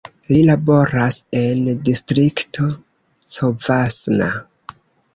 Li laboras en Distrikto Covasna.